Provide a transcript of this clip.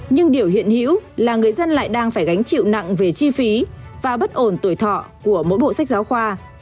nhưng điều hiện hữu là người dân lại đang phải gánh chịu nặng về chi phí và bất ổn tuổi thọ của mỗi bộ sách giáo khoa